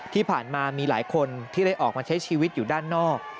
ที่ผ่านมามีหลายคนที่ได้ออกมาใช้ชีวิตอยู่ด้านนอก